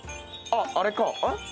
あっあれか。